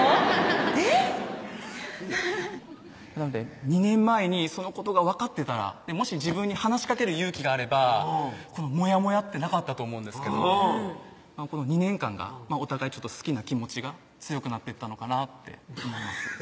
えっ⁉なので２年前にそのことが分かってたらもし自分に話しかける勇気があればこのモヤモヤってなかったと思うんですけど２年間がお互い好きな気持ちが強くなってったのかなって思います